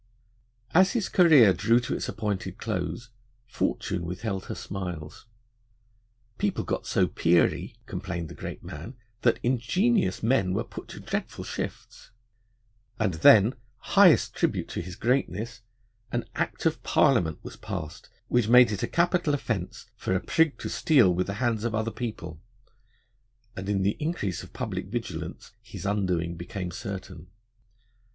As his career drew to its appointed close, Fortune withheld her smiles. 'People got so peery,' complained the great man, 'that ingenious men were put to dreadful shifts.' And then, highest tribute to his greatness, an Act of Parliament was passed which made it a capital offence 'for a prig to steal with the hands of other people'; and in the increase of public vigilance his undoing became certain.